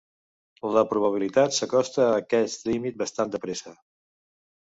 La probabilitat s'acosta a aquest límit bastant de pressa.